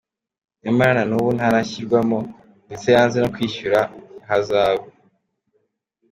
Nyamara na n’ubu ntarashyirwamo, ndetse yanze no kwishyura ihazabu.